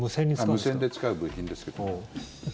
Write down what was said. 無線で使う部品ですけども。